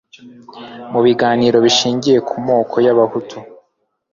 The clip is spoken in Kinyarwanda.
mu biganiro bishingiye ku moko y abahutu